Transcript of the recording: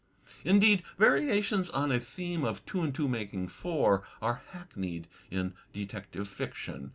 Indeed, variations on a theme of two and two making four are hackneyed in detective fiction.